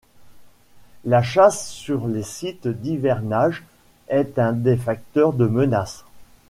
La chasse sur les sites d'hivernage est un des facteurs de menace.